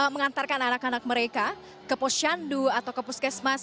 mengantarkan anak anak mereka ke posyandu atau ke puskesmas